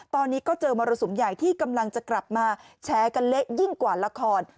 ตอนนี้ก็เจอมรสุมใหญ่ที่กำลังจะกลับมาแชร์กันเละยิ่งกว่าละคร